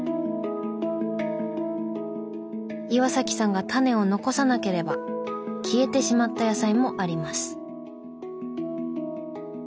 岩さんがタネを残さなければ消えてしまった野菜もあります。